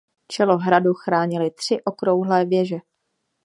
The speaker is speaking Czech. Čelo hradu chránily tři okrouhlé věže.